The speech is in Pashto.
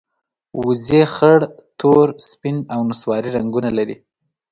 وزې خړ، تور، سپین او نسواري رنګونه لري